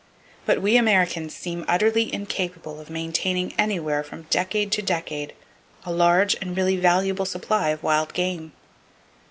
But we Americans seem utterly incapable of maintaining anywhere from decade to decade a large and really valuable supply of wild game.